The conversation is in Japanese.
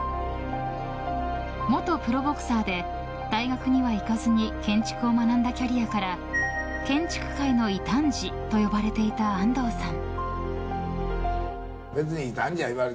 元プロボクサーで大学には行かずに建築を学んだキャリアから建築界の異端児と呼ばれていた安藤さん。